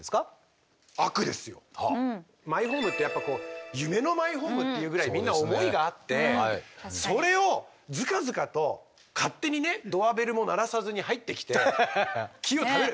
マイホームってやっぱこう「夢のマイホーム」っていうぐらいみんな思いがあってそれをずかずかと勝手にねドアベルも鳴らさずに入ってきて木を食べる。